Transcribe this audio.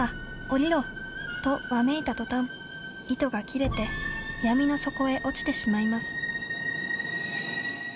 下りろ！とわめいたとたん糸が切れて闇の底へ落ちてしまいます。